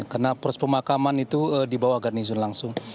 karena proses pemakaman itu di bawah garnizon langsung